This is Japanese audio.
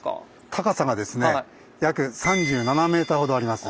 高さがですね約３７ｍほどあります。